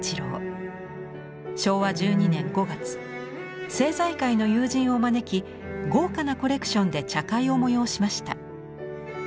昭和１２年５月政財界の友人を招き豪華なコレクションで茶会を催しました。